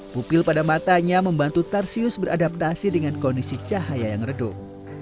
pupil pada matanya membantu tarsius beradaptasi dengan kondisi cahaya yang redup